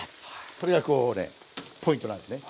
これがこうねポイントなんですね。